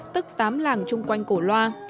tức tám làng chung quanh cổ loa